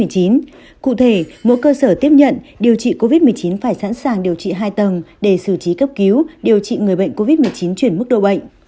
cụ thể mỗi cơ sở tiếp nhận điều trị covid một mươi chín phải sẵn sàng điều trị hai tầng để xử trí cấp cứu điều trị người bệnh covid một mươi chín chuyển mức độ bệnh